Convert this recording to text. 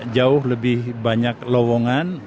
jauh lebih banyak lowongan